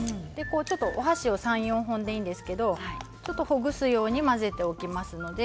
ちょっとお箸３、４本でいいんですけれどほぐすように混ぜておきますので。